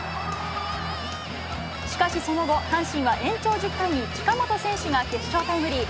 しかしその後、阪神は延長１０回に近本選手が決勝タイムリー。